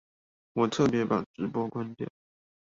我特別把直播關掉